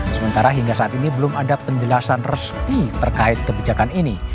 sementara hingga saat ini belum ada penjelasan resmi terkait kebijakan ini